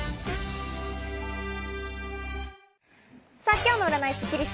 今日の占いスッキリす。